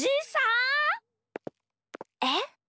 えっ？